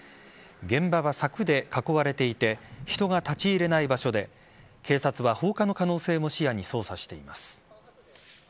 現場は柵で囲われていて人が立ち入れない場所で警察は放火の可能性も視野に捜査しています。